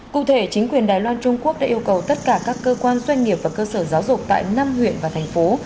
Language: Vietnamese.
cụ thể chính quyền đài loan trung quốc đã yêu cầu tất cả các cơ quan doanh nghiệp và cơ sở giáo dục tại năm huyện và thành phố